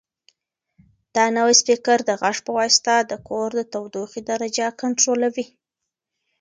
دا نوی سپیکر د غږ په واسطه د کور د تودوخې درجه کنټرولوي.